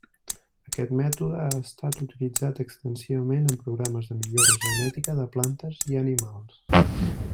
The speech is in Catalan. Aquest mètode ha estat utilitzat extensivament en programes de millora genètica de plantes i animals.